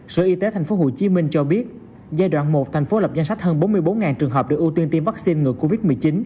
sở y tế tp hcm cho biết giai đoạn một thành phố lập danh sách hơn bốn mươi bốn trường hợp được ưu tiên tiêm vaccine ngừa covid một mươi chín